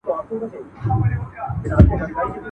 که مي هر څه په غپا یوسي خوبونه !.